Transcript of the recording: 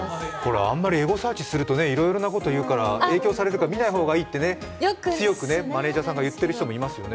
あんまりエゴサーチすると、影響されるから見ない方がいいって強くマネージャーさん言ってる人いますよね。